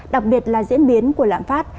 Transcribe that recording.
đặc biệt là diễn biến của lãm phát